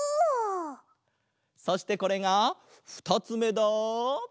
そしてこれがふたつめだ。